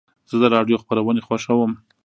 زه د راډیو خپرونې خوښوم.